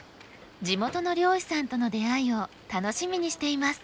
地元の漁師さんとの出会いを楽しみにしています。